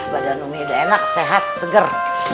badan umi udah enak sehat seger